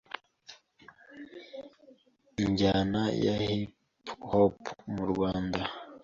injyana ya Hip Hop mu Rwanda,